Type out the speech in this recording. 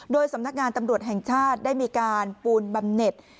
โดยสำนักงานตำรวจแห่งชาติได้มีการปูนบำเน็ต